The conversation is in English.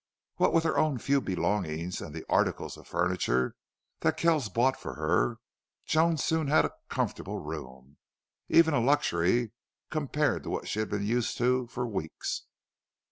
What with her own few belongings and the articles of furniture that Kells bought for her, Joan soon had a comfortable room, even a luxury compared to what she had been used to for weeks.